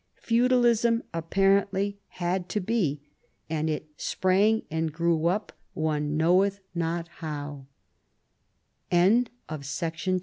Feudalism apparently had to be, and it " sprang and grew up, one knoweth not how."